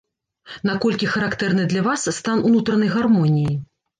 Наколькі характэрны для вас стан унутранай гармоніі?